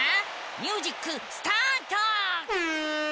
ミュージックスタート！